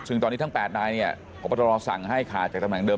ซึ่งตอนนี้ทั้ง๘นายเนี่ยอบทรสั่งให้ค่ะจากตำแหน่งเดิม